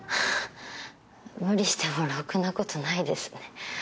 無理してもろくなことないですね。